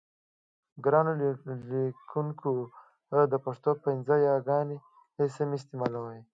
ګرانو لیکوونکو د پښتو پنځه یاګانې سمې استعمالوئ.